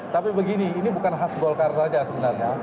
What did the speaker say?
tapi begini ini bukan khas golkar saja sebenarnya